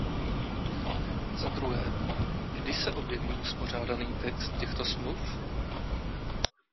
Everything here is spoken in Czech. Zadruhé, kdy se objeví uspořádaný text těchto smluv?